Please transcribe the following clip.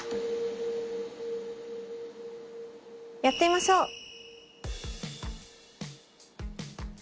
やってみましょう。